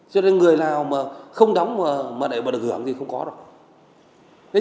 cho nên người lao mà không đóng mà được hưởng thì không có đâu